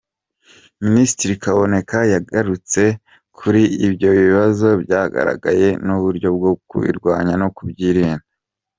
Minisitiri Kaboneka yagarutse kuri ibyo bibazo byagaragaye n’uburyo bwo kubirwanya no kubyirinda.